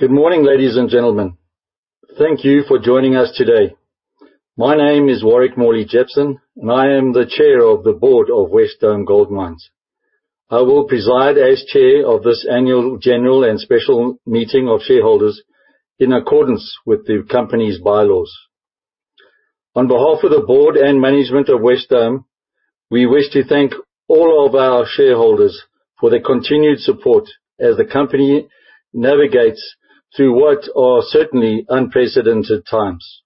Good morning, ladies and gentlemen. Thank you for joining us today. My name is Warwick Morley-Jepson, and I am the Chair of the Board of Wesdome Gold Mines. I will preside as Chair of this annual general and special meeting of shareholders in accordance with the company's bylaws. On behalf of the board and management of Wesdome, we wish to thank all of our shareholders for their continued support as the company navigates through what are certainly unprecedented times.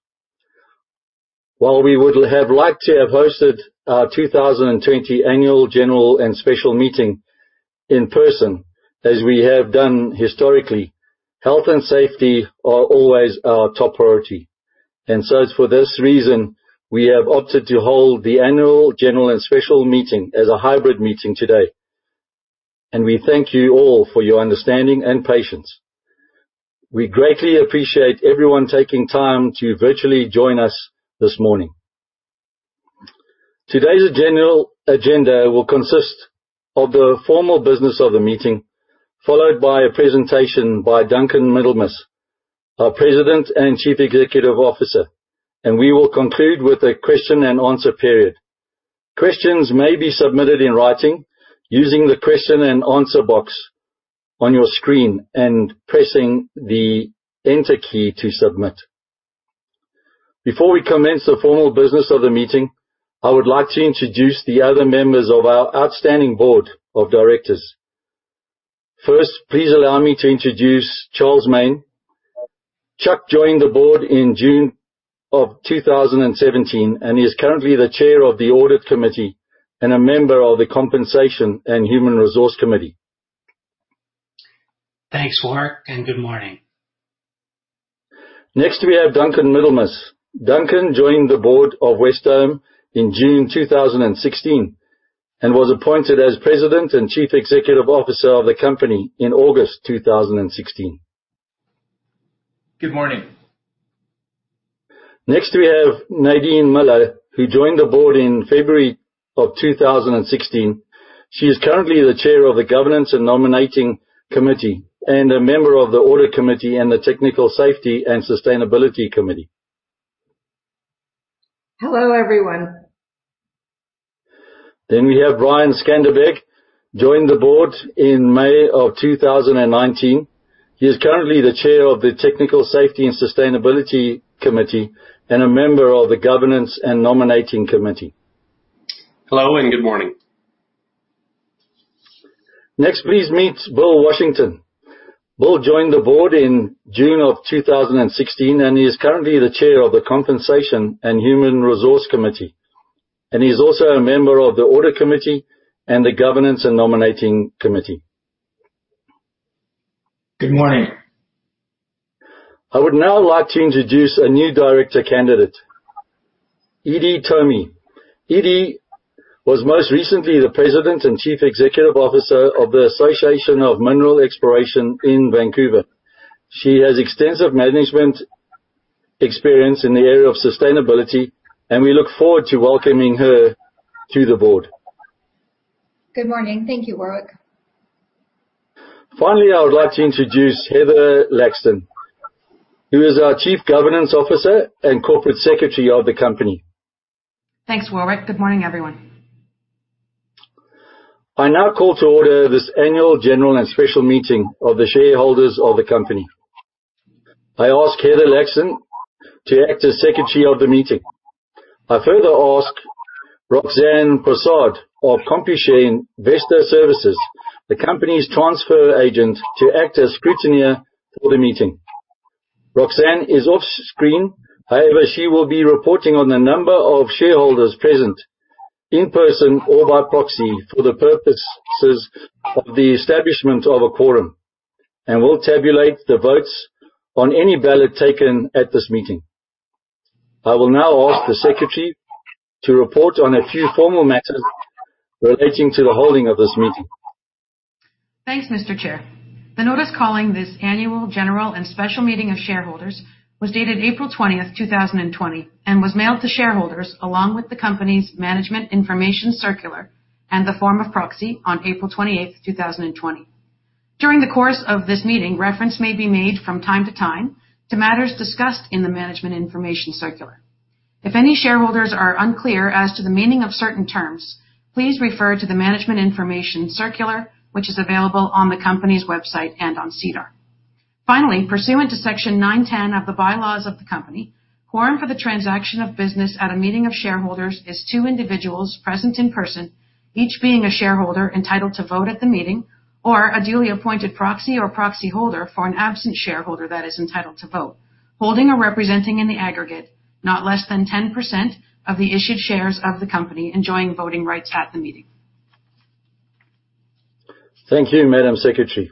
While we would have liked to have hosted our 2020 annual general and special meeting in person, as we have done historically, health and safety are always our top priority. For this reason, we have opted to hold the annual general and special meeting as a hybrid meeting today. We thank you all for your understanding and patience. We greatly appreciate everyone taking time to virtually join us this morning. Today's general agenda will consist of the formal business of the meeting, followed by a presentation by Duncan Middlemiss, our President and Chief Executive Officer. We will conclude with a question and answer period. Questions may be submitted in writing using the question and answer box on your screen and pressing the enter key to submit. Before we commence the formal business of the meeting, I would like to introduce the other members of our outstanding board of directors. First, please allow me to introduce Charles Main. Chuck joined the board in June of 2017 and is currently the Chair of the Audit Committee and a member of the Compensation and Human Resources Committee. Thanks, Warwick, and good morning. Next, we have Duncan Middlemiss. Duncan joined the board of Wesdome in June 2016 and was appointed as President and Chief Executive Officer of the company in August 2016. Good morning. We have Nadine Miller, who joined the board in February of 2016. She is currently the Chair of the Governance and Nominating Committee and a member of the Audit Committee and the Technical, Safety and Sustainability Committee. Hello, everyone. We have Brian Skanderbeg joined the board in May of 2019. He is currently the Chair of the Technical, Safety and Sustainability Committee and a member of the Governance and Nominating Committee. Hello, and good morning. Next, please meet Bill Washington. Bill joined the board in June of 2016, and he is currently the Chair of the Compensation and Human Resources Committee, and he is also a member of the Audit Committee and the Governance and Nominating Committee. Good morning. I would now like to introduce a new director candidate, Edie Thome. Edie was most recently the President and Chief Executive Officer of the Association for Mineral Exploration in Vancouver. She has extensive management experience in the area of sustainability, and we look forward to welcoming her to the board. Good morning. Thank you, Warwick. Finally, I would like to introduce Heather Laxton, who is our Chief Governance Officer and Corporate Secretary of the company. Thanks, Warwick. Good morning, everyone. I now call to order this annual general and special meeting of the shareholders of the company. I ask Heather Laxton to act as Secretary of the meeting. I further ask Roxanne Prasad of Computershare Investor Services, the company's transfer agent, to act as Scrutineer for the meeting. Roxanne is off-screen. However, she will be reporting on the number of shareholders present in person or by proxy for the purposes of the establishment of a quorum and will tabulate the votes on any ballot taken at this meeting. I will now ask the Secretary to report on a few formal matters relating to the holding of this meeting. Thanks, Mr. Chair. The notice calling this annual general and special meeting of shareholders was dated April 20, 2020 and was mailed to shareholders along with the company's management information circular and the form of proxy on April 28th, 2020. During the course of this meeting, reference may be made from time to time to matters discussed in the management information circular. If any shareholders are unclear as to the meaning of certain terms, please refer to the management information circular, which is available on the company's website and on SEDAR. Finally, pursuant to Section 910 of the bylaws of the company, quorum for the transaction of business at a meeting of shareholders is two individuals present in person, each being a shareholder entitled to vote at the meeting or a duly appointed proxy or proxyholder for an absent shareholder that is entitled to vote, holding or representing in the aggregate not less than 10% of the issued shares of the company enjoying voting rights at the meeting. Thank you, Madam Secretary.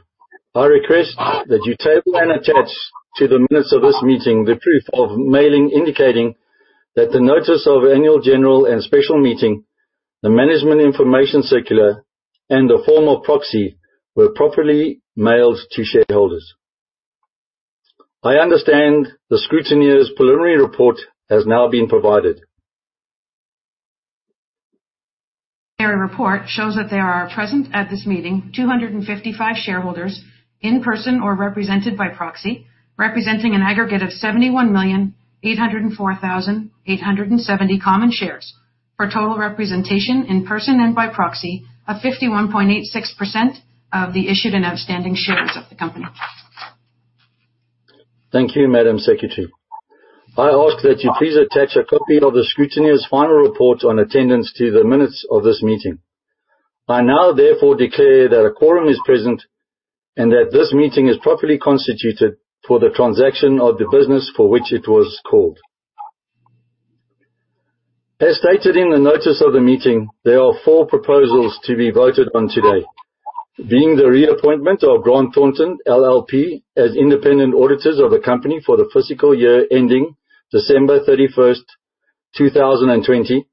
I request that you table and attach to the minutes of this meeting the proof of mailing indicating that the notice of annual general and special meeting, the management information circular, and the form of proxy were properly mailed to shareholders. I understand the scrutineer's preliminary report has now been provided. Their report shows that there are present at this meeting 255 shareholders, in person or represented by proxy, representing an aggregate of 71,804,870 common shares. For total representation in person and by proxy of 51.86% of the issued and outstanding shares of the company. Thank you, Madam Secretary. I ask that you please attach a copy of the scrutineer's final report on attendance to the minutes of this meeting. I now therefore declare that a quorum is present and that this meeting is properly constituted for the transaction of the business for which it was called. As stated in the notice of the meeting, there are four proposals to be voted on today. Being the reappointment of Grant Thornton LLP as independent auditors of the company for the fiscal year ending December 31st, 2020.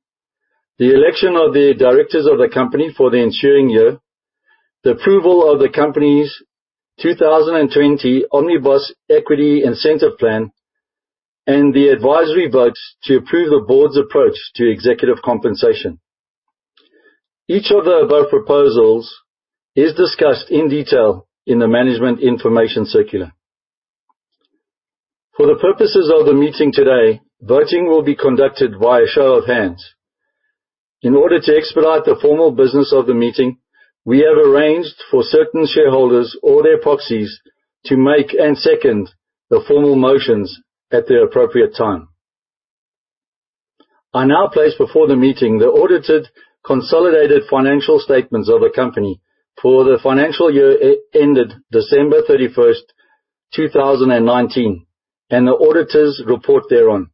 The election of the directors of the company for the ensuing year. The approval of the company's 2020 Omnibus Equity Incentive Plan. The advisory votes to approve the board's approach to executive compensation. Each of the above proposals is discussed in detail in the management information circular. For the purposes of the meeting today, voting will be conducted via show of hands. In order to expedite the formal business of the meeting, we have arranged for certain shareholders or their proxies to make and second the formal motions at the appropriate time. I now place before the meeting the audited consolidated financial statements of the company for the financial year ended December 31st, 2019, and the auditor's report thereon.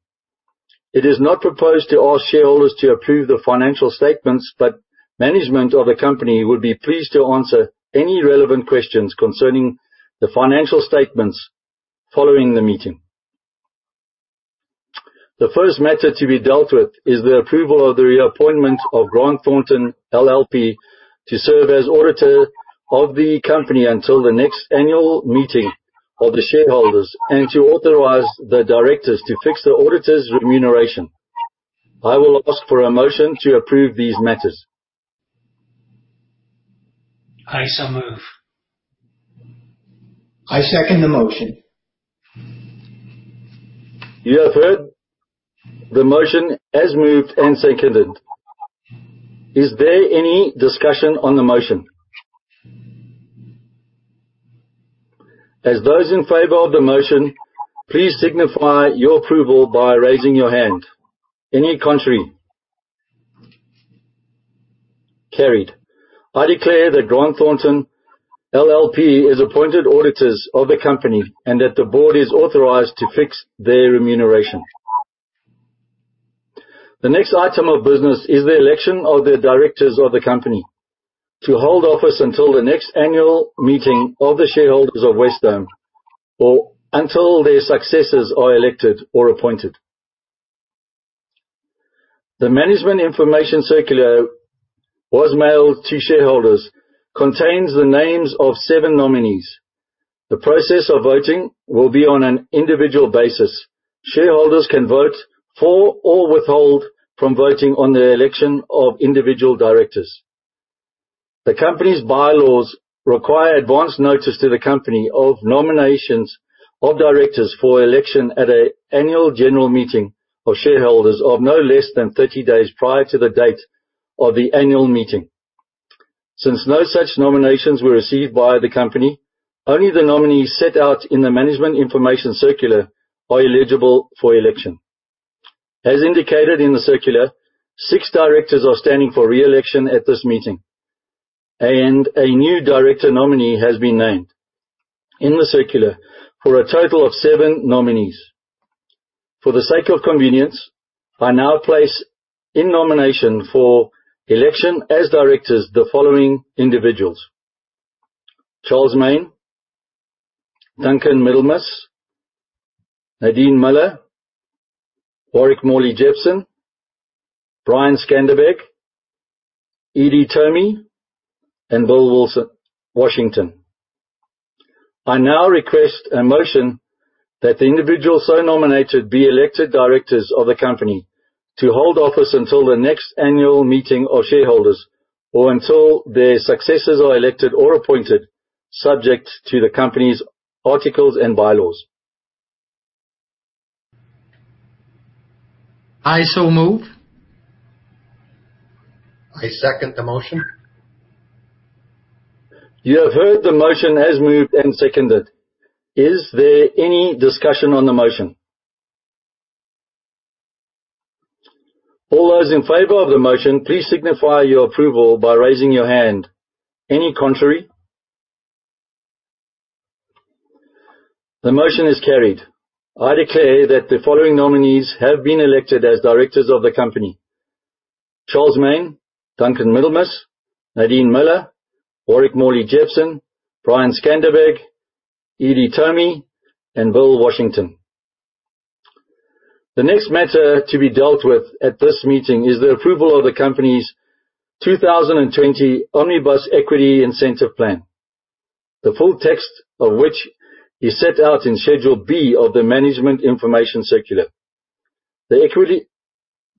It is not proposed to ask shareholders to approve the financial statements, but management of the company would be pleased to answer any relevant questions concerning the financial statements following the meeting. The first matter to be dealt with is the approval of the reappointment of Grant Thornton LLP to serve as auditor of the company until the next annual meeting of the shareholders, and to authorize the directors to fix the auditor's remuneration. I will ask for a motion to approve these matters. I so move. I second the motion. You have heard the motion as moved and seconded. Is there any discussion on the motion? As those in favor of the motion, please signify your approval by raising your hand. Any contrary? Carried. I declare that Grant Thornton LLP is appointed auditors of the company and that the board is authorized to fix their remuneration. The next item of business is the election of the directors of the company, to hold office until the next annual meeting of the shareholders of Wesdome or until their successors are elected or appointed. The management information circular was mailed to shareholders, contains the names of seven nominees. The process of voting will be on an individual basis. Shareholders can vote for or withhold from voting on the election of individual directors. The company's bylaws require advance notice to the company of nominations of directors for election at an annual general meeting of shareholders of no less than 30 days prior to the date of the annual meeting. Since no such nominations were received by the company, only the nominees set out in the management information circular are eligible for election. As indicated in the circular, six directors are standing for re-election at this meeting, and a new director nominee has been named in the circular for a total of seven nominees. For the sake of convenience, I now place in nomination for election as directors the following individuals: Charles Main, Duncan Middlemiss, Nadine Miller, Warwick Morley-Jepson, Brian Skanderbeg, Edie Thome, and Bill Washington. I now request a motion that the individual so nominated be elected directors of the company to hold office until the next annual meeting of shareholders or until their successors are elected or appointed, subject to the company's articles and bylaws. I so move. I second the motion. You have heard the motion as moved and seconded. Is there any discussion on the motion? All those in favor of the motion, please signify your approval by raising your hand. Any contrary? The motion is carried. I declare that the following nominees have been elected as directors of the company: Charles Main, Duncan Middlemiss, Nadine Miller, Warwick Morley-Jepson, Brian Skanderbeg, Edie Thome, and Bill Washington. The next matter to be dealt with at this meeting is the approval of the company's 2020 Omnibus Equity Incentive Plan. The full text of which is set out in Schedule B of the management information circular. The equity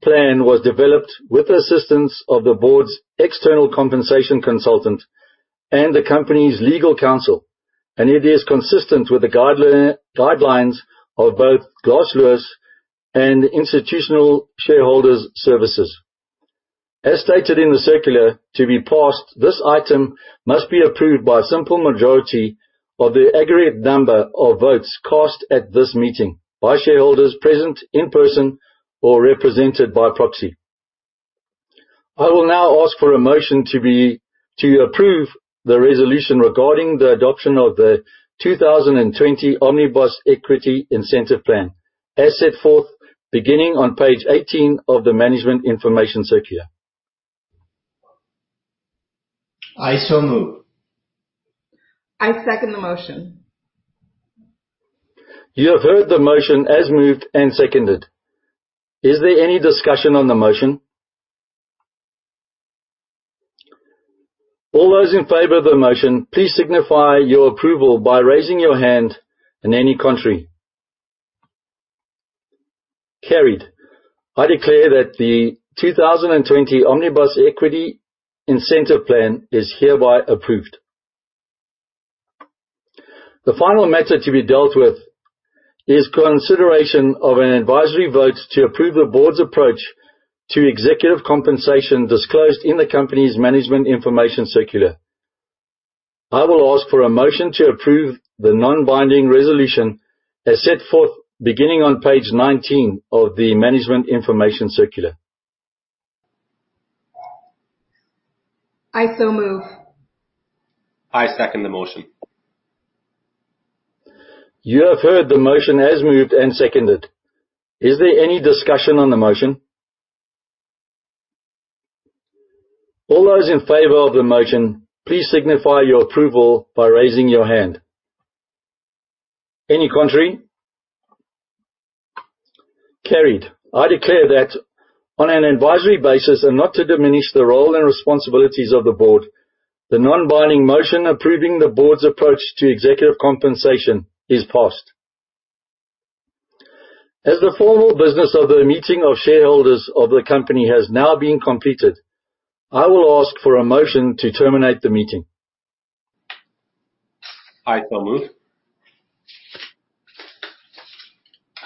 plan was developed with the assistance of the board's external compensation consultant and the company's legal counsel. It is consistent with the guidelines of both Glass Lewis and Institutional Shareholder Services. As stated in the circular, to be passed, this item must be approved by a simple majority of the aggregate number of votes cast at this meeting by shareholders present in person or represented by proxy. I will now ask for a motion to approve the resolution regarding the adoption of the 2020 Omnibus Equity Incentive Plan, as set forth beginning on page 18 of the management information circular. I so move. I second the motion. You have heard the motion as moved and seconded. Is there any discussion on the motion? All those in favor of the motion, please signify your approval by raising your hand. Any contrary? Carried. I declare that the 2020 Omnibus Equity Incentive Plan is hereby approved. The final matter to be dealt with is consideration of an advisory vote to approve the Board's approach to executive compensation disclosed in the company's management information circular. I will ask for a motion to approve the non-binding resolution as set forth beginning on page 19 of the management information circular. I so move. I second the motion. You have heard the motion as moved and seconded. Is there any discussion on the motion? All those in favor of the motion, please signify your approval by raising your hand. Any contrary? Carried. I declare that on an advisory basis and not to diminish the role and responsibilities of the board, the non-binding motion approving the board's approach to executive compensation is passed. As the formal business of the meeting of shareholders of the company has now been completed, I will ask for a motion to terminate the meeting. I so move.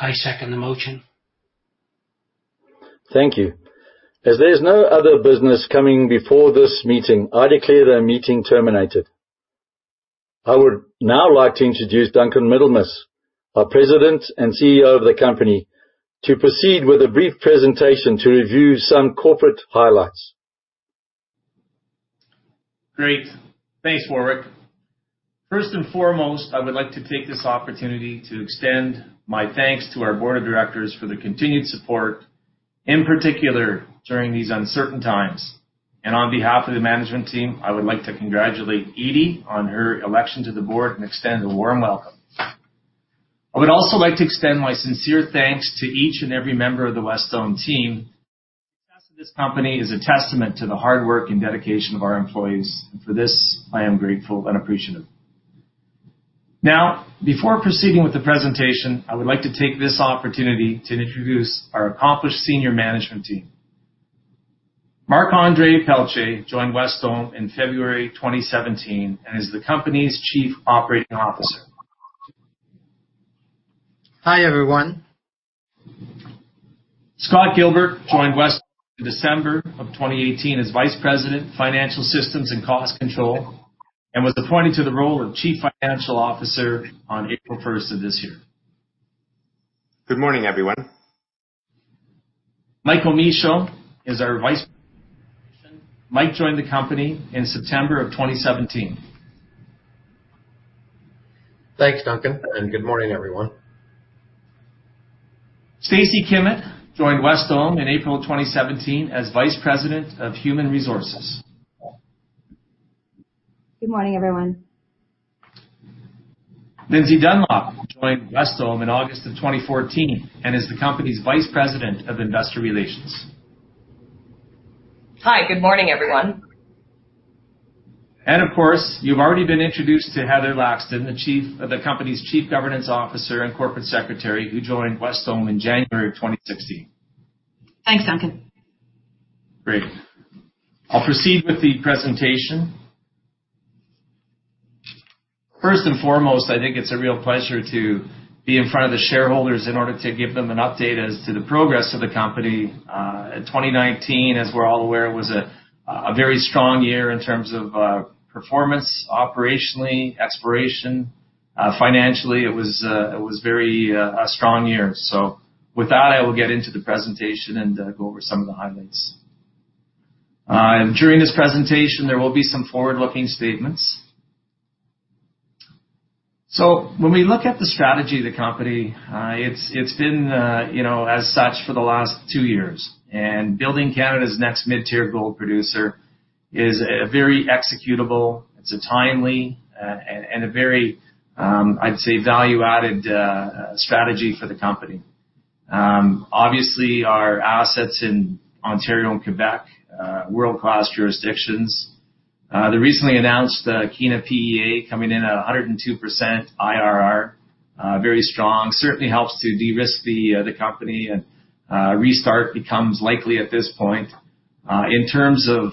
I second the motion. Thank you. As there is no other business coming before this meeting, I declare the meeting terminated. I would now like to introduce Duncan Middlemiss, our President and CEO of the company, to proceed with a brief presentation to review some corporate highlights. Great. Thanks, Warwick. First and foremost, I would like to take this opportunity to extend my thanks to our board of directors for their continued support, in particular during these uncertain times. On behalf of the management team, I would like to congratulate Edie on her election to the board and extend a warm welcome. I would also like to extend my sincere thanks to each and every member of the Wesdome team. The success of this company is a testament to the hard work and dedication of our employees, and for this, I am grateful and appreciative. Now, before proceeding with the presentation, I would like to take this opportunity to introduce our accomplished senior management team. Marc-André Pelletier joined Wesdome in February 2017 and is the company's Chief Operating Officer. Hi, everyone. Scott Gilbert joined Wesdome in December of 2018 as Vice President, Financial Systems and Cost Control, and was appointed to the role of Chief Financial Officer on April 1st of this year. Good morning, everyone. Michael Michaud is our Vice President, Administration. Mike joined the company in September of 2017. Thanks, Duncan, and good morning, everyone. Stacy Kimmett joined Wesdome in April 2017 as Vice President of Human Resources. Good morning, everyone. Lindsay Dunlop joined Wesdome in August of 2014 and is the company's Vice President of Investor Relations. Hi. Good morning, everyone. Of course, you've already been introduced to Heather Laxton, the company's Chief Governance Officer and Corporate Secretary, who joined Wesdome in January of 2016. Thanks, Duncan. Great. I'll proceed with the presentation. First and foremost, I think it's a real pleasure to be in front of the shareholders in order to give them an update as to the progress of the company. 2019, as we're all aware, was a very strong year in terms of performance operationally, exploration. Financially, it was a very strong year. With that, I will get into the presentation and go over some of the highlights. During this presentation, there will be some forward-looking statements. When we look at the strategy of the company, it's been as such for the last two years. Building Canada's next mid-tier gold producer is very executable. It's a timely and a very, I'd say, value-added strategy for the company. Obviously, our assets in Ontario and Quebec, world-class jurisdictions. They recently announced the Kiena PEA coming in at 102% IRR. Very strong. Certainly helps to de-risk the company, restart becomes likely at this point. In terms of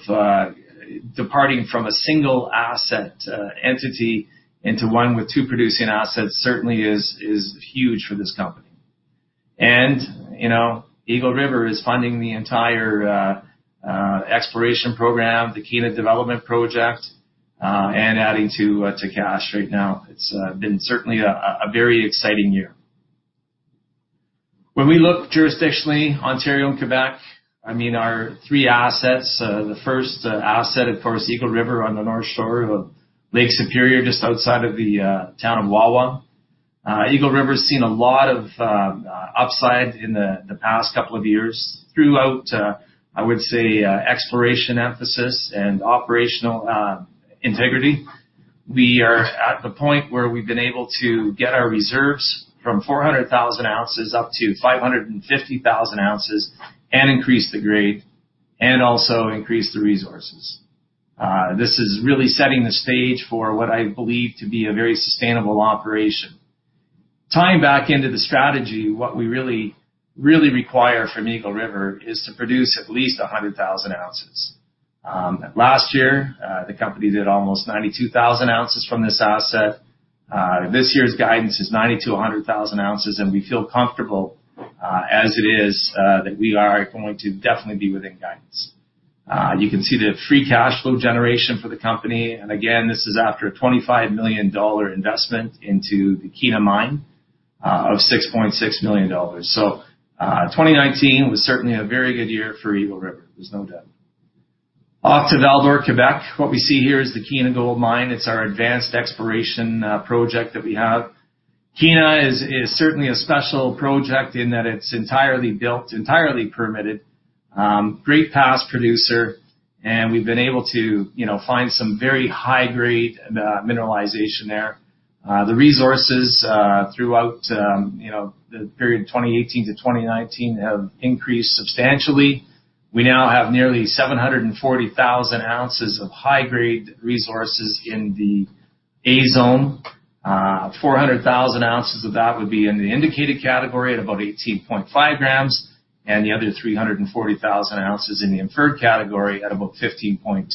departing from a single asset entity into one with two producing assets certainly is huge for this company. Eagle River is funding the entire exploration program, the Kiena development project, and adding to cash right now. It's been certainly a very exciting year. When we look jurisdictionally, Ontario and Quebec, our three assets, the first asset, of course, Eagle River on the North Shore of Lake Superior, just outside of the town of Wawa. Eagle River's seen a lot of upside in the past couple of years throughout, I would say, exploration emphasis and operational integrity. We are at the point where we've been able to get our reserves from 400,000 ounces up to 550,000 ounces and increase the grade, and also increase the resources. This is really setting the stage for what I believe to be a very sustainable operation. Tying back into the strategy, what we really require from Eagle River is to produce at least 100,000 ounces. Last year, the company did almost 92,000 ounces from this asset. This year's guidance is 90 to 100,000 ounces, and we feel comfortable as it is, that we are going to definitely be within guidance. You can see the free cash flow generation for the company. Again, this is after a 25 million dollar investment into the Kiena Mine, of 6.6 million dollars. 2019 was certainly a very good year for Eagle River. There's no doubt. Off to Val-d'Or, Quebec. What we see here is the Kiena Gold Mine. It's our advanced exploration project that we have. Kiena is certainly a special project in that it's entirely built, entirely permitted, great past producer, and we've been able to find some very high-grade mineralization there. The resources throughout the period 2018 to 2019 have increased substantially. We now have nearly 740,000 ounces of high-grade resources in the A-Zone. 400,000 ounces of that would be in the indicated category at about 18.5 grams and the other 340,000 ounces in the inferred category at about 15.2.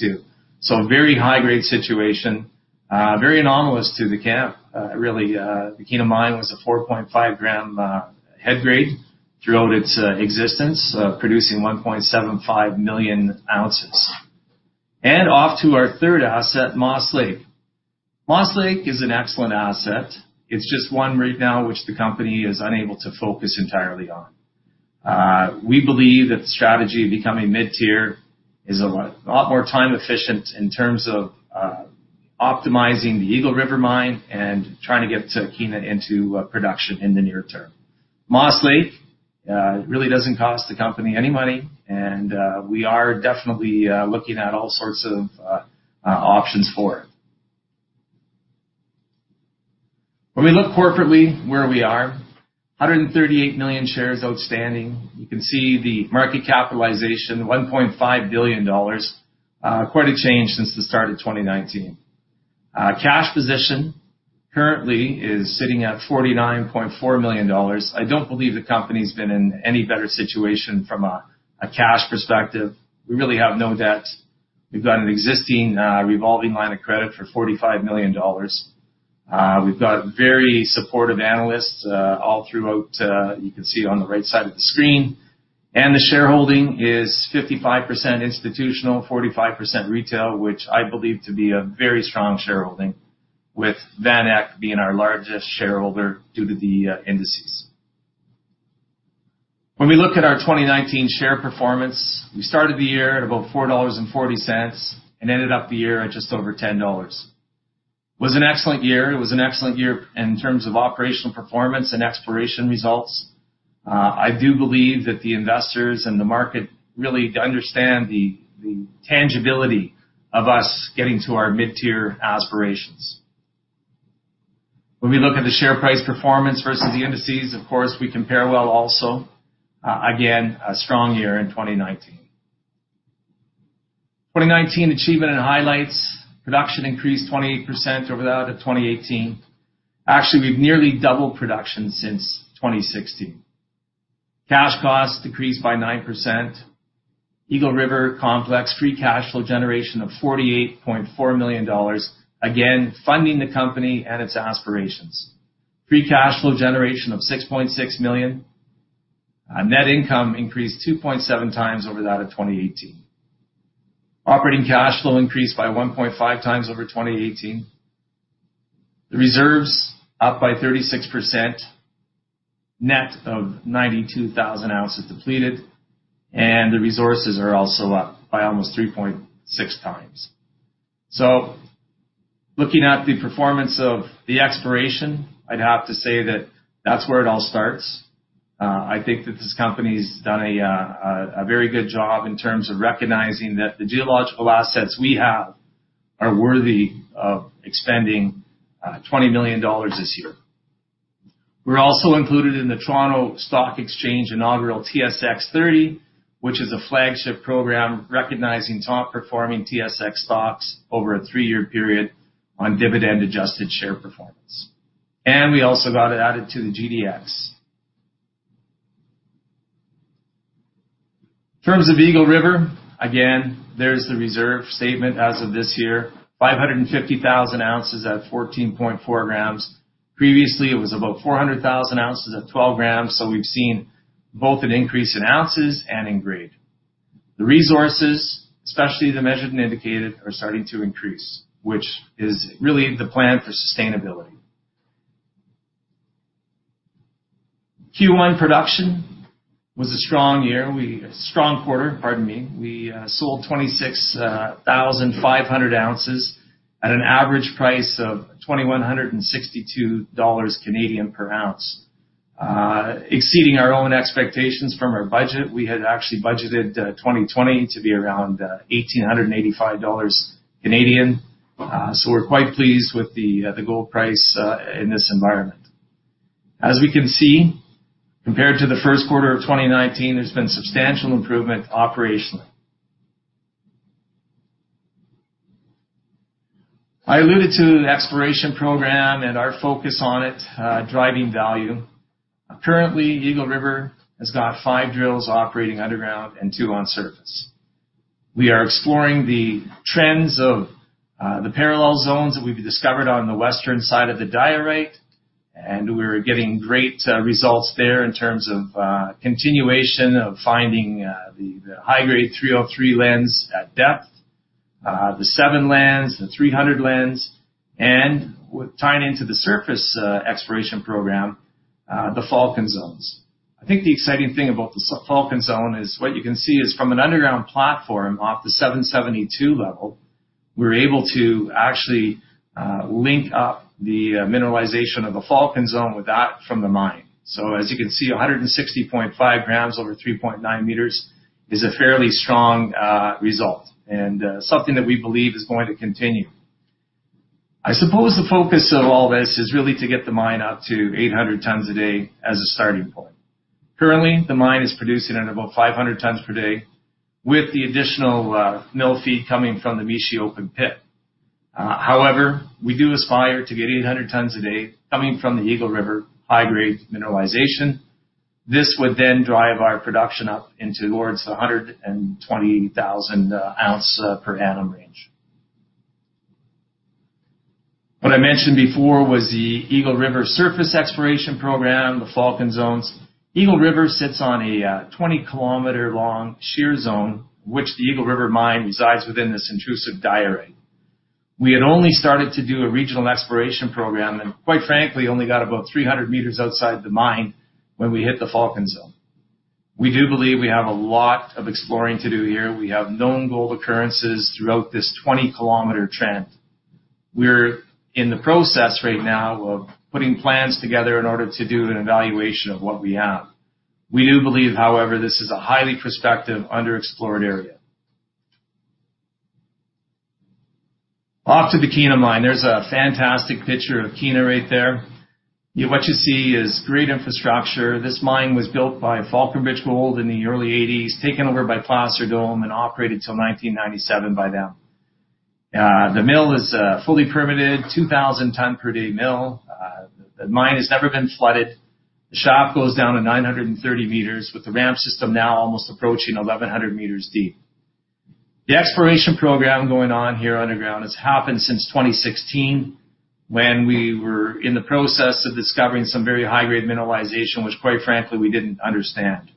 A very high-grade situation, very anomalous to the camp. Really, the Kiena Mine was a 4.5 gram head grade throughout its existence, producing 1.75 million ounces. Off to our third asset, Moss Lake. Moss Lake is an excellent asset. It's just one right now which the company is unable to focus entirely on. We believe that the strategy of becoming mid-tier is a lot more time efficient in terms of optimizing the Eagle River Mine and trying to get Kiena into production in the near term. Moss Lake really doesn't cost the company any money, and we are definitely looking at all sorts of options for it. When we look corporately where we are, 138 million shares outstanding. You can see the market capitalization, 1.5 billion dollars. Quite a change since the start of 2019. Cash position currently is sitting at 49.4 million dollars. I don't believe the company's been in any better situation from a cash perspective. We really have no debt. We've got an existing revolving line of credit for 45 million dollars. We've got very supportive analysts all throughout, you can see on the right side of the screen. The shareholding is 55% institutional, 45% retail, which I believe to be a very strong shareholding with VanEck being our largest shareholder due to the indices. When we look at our 2019 share performance, we started the year at about 4.40 dollars and ended up the year at just over 10 dollars. It was an excellent year. It was an excellent year in terms of operational performance and exploration results. I do believe that the investors and the market really understand the tangibility of us getting to our mid-tier aspirations. When we look at the share price performance versus the indices, of course, we compare well also. Again, a strong year in 2019. 2019 achievement and highlights. Production increased 28% over that of 2018. Actually, we've nearly doubled production since 2016. Cash costs decreased by 9%. Eagle River Complex free cash flow generation of 48.4 million dollars. Funding the company and its aspirations. Free cash flow generation of 6.6 million. Net income increased 2.7 times over that of 2018. Operating cash flow increased by 1.5 times over 2018. The reserves up by 36%, net of 92,000 ounces depleted, and the resources are also up by almost 3.6 times. Looking at the performance of the exploration, I'd have to say that that's where it all starts. I think that this company's done a very good job in terms of recognizing that the geological assets we have are worthy of expanding 20 million dollars this year. We're also included in the Toronto Stock Exchange inaugural TSX 30, which is a flagship program recognizing top-performing TSX stocks over a three-year period on dividend-adjusted share performance. We also got it added to the GDX. In terms of Eagle River, again, there's the reserve statement as of this year, 550,000 ounces at 14.4 grams. Previously, it was about 400,000 ounces at 12 grams. We've seen both an increase in ounces and in grade. The resources, especially the measured and indicated, are starting to increase, which is really the plan for sustainability. Q1 production was a strong quarter. We sold 26,500 ounces at an average price of 2,162 Canadian dollars per ounce, exceeding our own expectations from our budget. We had actually budgeted 2020 to be around 1,885 Canadian dollars. We're quite pleased with the gold price in this environment. As we can see, compared to the first quarter of 2019, there's been substantial improvement operationally. I alluded to the exploration program and our focus on it, driving value. Currently, Eagle River has got five drills operating underground and two on surface. We are exploring the trends of the parallel zones that we've discovered on the western side of the diorite, and we're getting great results there in terms of continuation of finding the high-grade 303 Lens at depth, the 7 Lens, the 300 Lens, and tying into the surface exploration program, the Falcon zones. I think the exciting thing about the Falcon zone is what you can see is from an underground platform off the 772 level, we're able to actually link up the mineralization of the Falcon zone with that from the mine. As you can see, 160.5 grams over 3.9 meters is a fairly strong result and something that we believe is going to continue. I suppose the focus of all this is really to get the mine up to 800 tons a day as a starting point. Currently, the mine is producing at about 500 tons per day with the additional mill feed coming from the Mishi open pit. We do aspire to get 800 tons a day coming from the Eagle River high-grade mineralization. This would drive our production up towards the 120,000 ounce per annum range. What I mentioned before was the Eagle River surface exploration program, the Falcon zones. Eagle River sits on a 20-kilometer-long shear zone, which the Eagle River mine resides within this intrusive diorite. We had only started to do a regional exploration program, quite frankly, only got about 300 meters outside the mine when we hit the Falcon zone. We do believe we have a lot of exploring to do here. We have known gold occurrences throughout this 20-kilometer trend. We're in the process right now of putting plans together in order to do an evaluation of what we have. We do believe, however, this is a highly prospective underexplored area. Off to the Kiena Mine. There's a fantastic picture of Kiena right there. What you see is great infrastructure. This mine was built by Falconbridge Gold in the early 1980s, taken over by Placer Dome, and operated till 1997 by them. The mill is a fully permitted 2,000-ton-per-day mill. The mine has never been flooded. The shaft goes down to 930 meters, with the ramp system now almost approaching 1,100 meters deep. The exploration program going on here underground has happened since 2016 when we were in the process of discovering some very high-grade mineralization, which quite frankly, we didn't understand.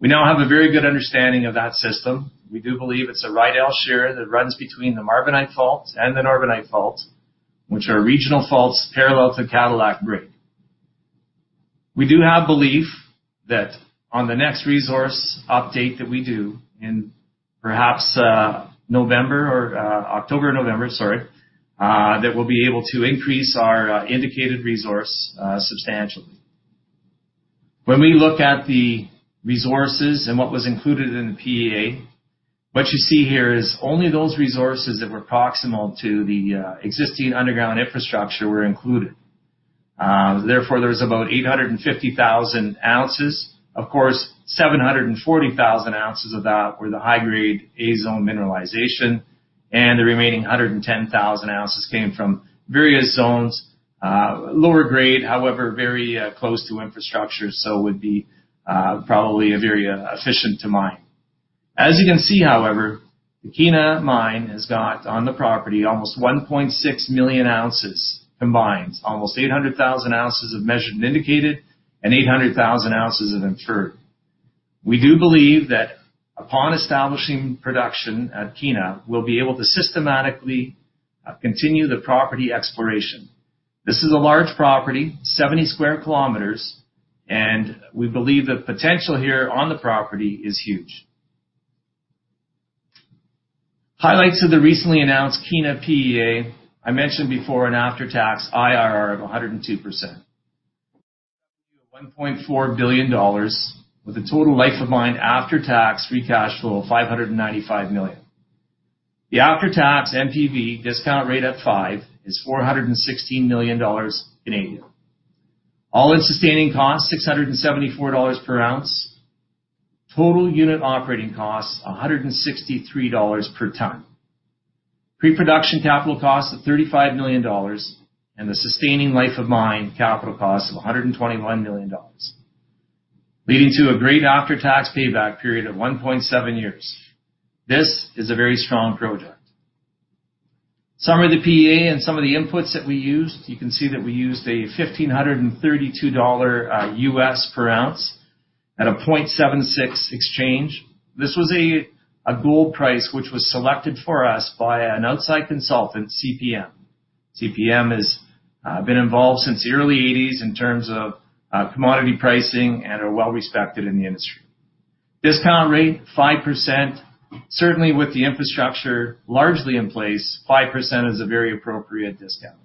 We now have a very good understanding of that system. We do believe it's a right L shear that runs between the Marbenite Fault and the Norbenite Fault, which are regional faults parallel to Cadillac Break. We do have belief that on the next resource update that we do in perhaps November or October, November, sorry, that we'll be able to increase our indicated resource substantially. When we look at the resources and what was included in the PEA, what you see here is only those resources that were proximal to the existing underground infrastructure were included. Therefore, there's about 850,000 ounces. Of course, 740,000 ounces of that were the high-grade A-zone mineralization, and the remaining 110,000 ounces came from various zones. Lower grade, however, very close to infrastructure, so would be probably very efficient to mine. As you can see, however, the Kiena Mine has got on the property almost 1.6 million ounces combined, almost 800,000 ounces of measured and indicated, and 800,000 ounces of inferred. We do believe that upon establishing production at Kiena, we'll be able to systematically continue the property exploration. This is a large property, 70 sq km, and we believe the potential here on the property is huge. Highlights of the recently announced Kiena PEA, I mentioned before an after-tax IRR of 102%. 1.4 billion dollars with a total life of mine after-tax free cash flow of 595 million. The after-tax NPV discount rate at five is 416 million Canadian dollars. All-in sustaining costs, 674 dollars per ounce. Total unit operating costs, 163 dollars per ton. Pre-production capital costs of 35 million dollars, and the sustaining life of mine capital costs of 121 million dollars, leading to a great after-tax payback period of 1.7 years. This is a very strong project. Some of the PEA and some of the inputs that we used, you can see that we used a $1,532 U.S. per ounce at a 0.76 exchange. This was a gold price which was selected for us by an outside consultant, CPM. CPM has been involved since the early 1980s in terms of commodity pricing and are well-respected in the industry. Discount rate 5%. Certainly with the infrastructure largely in place, 5% is a very appropriate discount.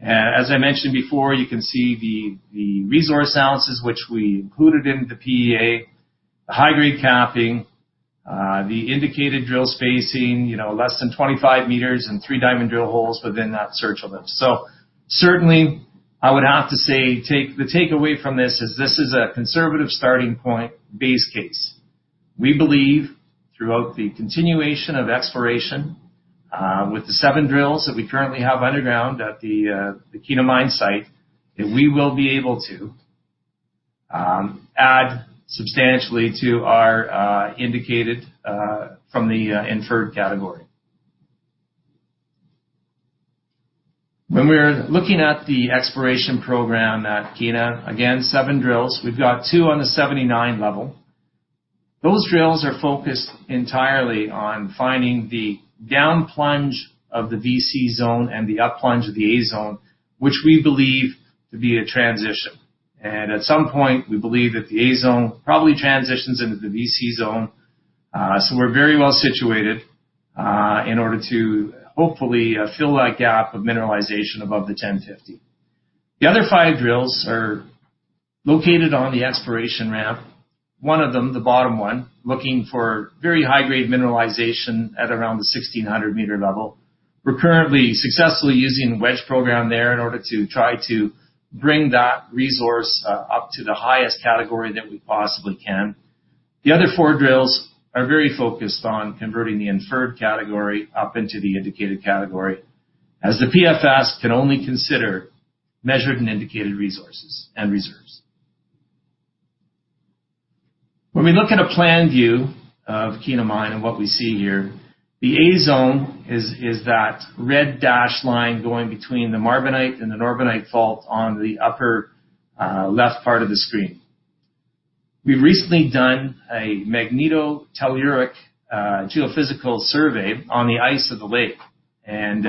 As I mentioned before, you can see the resource ounces which we included in the PEA, the high-grade capping, the indicated drill spacing, less than 25 meters and three diamond drill holes within that search limits. Certainly, I would have to say the takeaway from this is, this is a conservative starting point base case. We believe throughout the continuation of exploration with the seven drills that we currently have underground at the Kiena Mine site, that we will be able to add substantially to our indicated from the inferred category. When we're looking at the exploration program at Kiena, again, seven drills. We've got two on the 79 level. Those drills are focused entirely on finding the down plunge of the VC Zone and the up plunge of the A Zone, which we believe to be a transition. At some point, we believe that the A Zone probably transitions into the VC Zone. We're very well situated in order to hopefully fill that gap of mineralization above the 1050. The other five drills are located on the exploration ramp. One of them, the bottom one, looking for very high-grade mineralization at around the 1,600-meter level. We're currently successfully using wedge program there in order to try to bring that resource up to the highest category that we possibly can. The other four drills are very focused on converting the inferred category up into the indicated category, as the PFS can only consider measured and indicated resources and reserves. When we look at a plan view of Kiena Mine and what we see here, the A zone is that red dashed line going between the Marbenite and the Norbenite Fault on the upper left part of the screen. We've recently done a magnetotelluric geophysical survey on the ice of the lake, and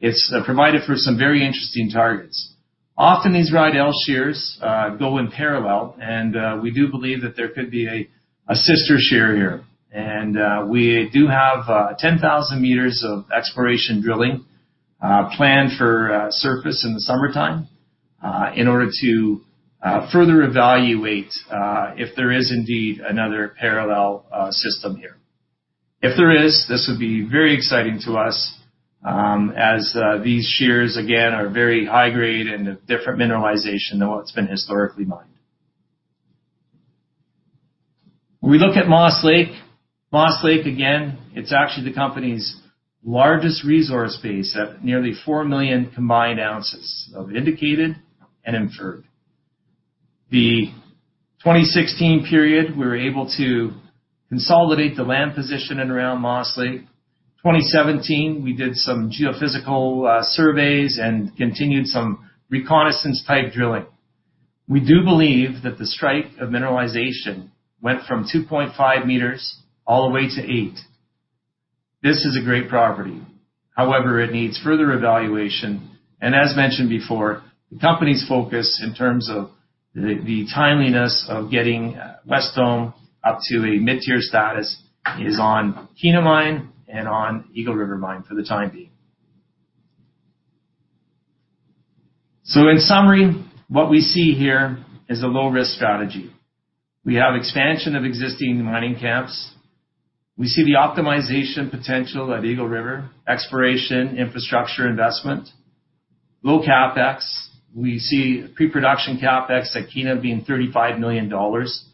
it's provided for some very interesting targets. Often these Riedel shears go in parallel, and we do believe that there could be a sister shear here. We do have 10,000 meters of exploration drilling planned for surface in the summertime in order to further evaluate if there is indeed another parallel system here. If there is, this would be very exciting to us as these shears, again, are very high grade and a different mineralization than what's been historically mined. We look at Moss Lake. Moss Lake, again, it's actually the company's largest resource base at nearly 4 million combined ounces of indicated and inferred. The 2016 period, we were able to consolidate the land position around Moss Lake. 2017, we did some geophysical surveys and continued some reconnaissance-type drilling. We do believe that the strike of mineralization went from 2.5 meters all the way to eight. This is a great property. It needs further evaluation. As mentioned before, the company's focus in terms of the timeliness of getting Wesdome up to a mid-tier status is on Kiena Mine and on Eagle River Mine for the time being. In summary, what we see here is a low-risk strategy. We have expansion of existing mining camps. We see the optimization potential at Eagle River, exploration, infrastructure investment, low CapEx. We see pre-production CapEx at Kiena being 35 million dollars,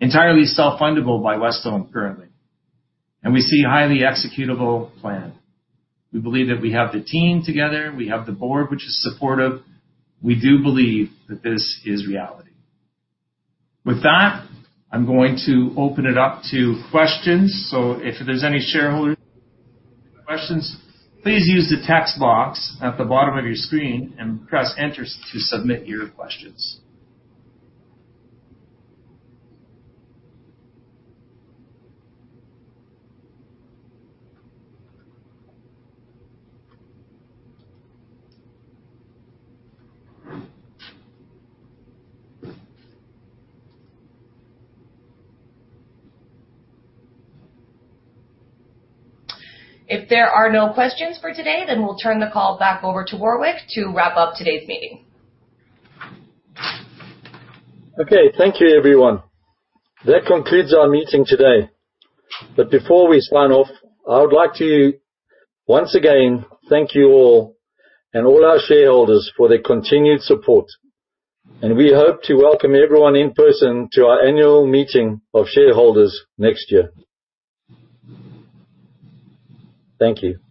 entirely self-fundable by Wesdome currently. We see highly executable plan. We believe that we have the team together. We have the board, which is supportive. We do believe that this is reality. With that, I'm going to open it up to questions. If there's any shareholder questions, please use the text box at the bottom of your screen and press Enter to submit your questions. If there are no questions for today, then we'll turn the call back over to Warwick to wrap up today's meeting. Okay. Thank you, everyone. That concludes our meeting today. Before we sign off, I would like to once again thank you all and all our shareholders for their continued support. We hope to welcome everyone in person to our annual meeting of shareholders next year. Thank you.